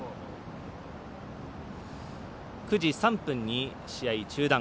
９時３分に試合中断。